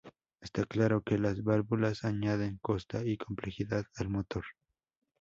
Está claro que las válvulas añaden coste y complejidad al motor.